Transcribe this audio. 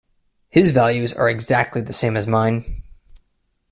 His values are exactly the same as mine.